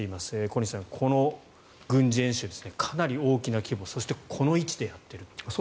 小西さん、この軍事演習かなり大きな規模そして、この位置でやっている。